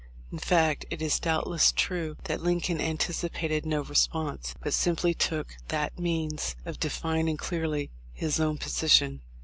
In fact it is doubtless true that Lincoln anticipated no response, but simply took that means of defining clearly his own position.